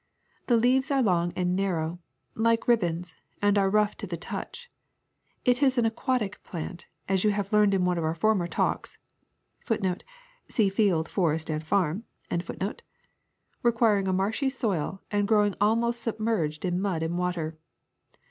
The leaves are long and narrow, like ribbons, and are rough to the touch. It is an aquatic plant, as you have learned in one of our former talks, ^ requiring a marshy soil and growing almost submerged in mud and water.